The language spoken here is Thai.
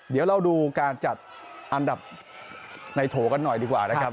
เดี๋ยวเราดูการจัดอันดับในโถกันหน่อยดีกว่านะครับ